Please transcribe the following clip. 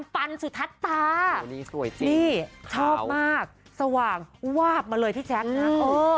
ปันสุทัศน์ตานี่ชอบมากสว่างวาบมาเลยพี่แจ๊คนะ